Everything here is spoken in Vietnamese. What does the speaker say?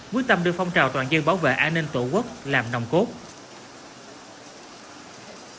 quyết tâm đưa phong trào toàn dân bảo vệ an ninh tổ quốc làm nồng cốt